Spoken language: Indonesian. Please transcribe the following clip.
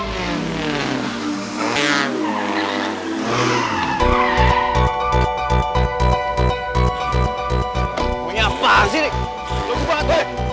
wih apaan sih ini